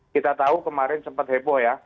kita tahu kemarin sempat heboh ya